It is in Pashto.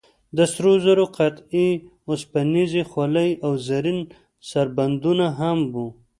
د سرو زرو قطعې، اوسپنیزې خولۍ او زرین سربندونه هم و.